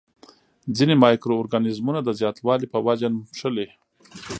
ځینې مایکرو ارګانیزمونه د زیاتوالي په وجه نښلي.